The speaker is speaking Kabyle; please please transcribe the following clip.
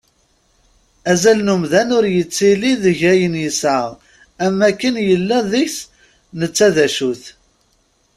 Azal n umdan ur yettili deg ayen yesεa am akken yella deg-s netta d acu-t.